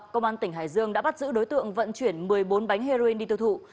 công an tỉnh hải dương đã bắt giữ đối tượng vận chuyển một mươi bốn bánh heroin đi tiêu thụ